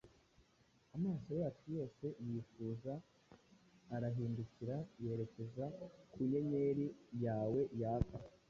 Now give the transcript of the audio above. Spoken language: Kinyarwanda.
amaso yacu yose yifuza arahindukira yerekeza ku nyenyeri yawe yaka: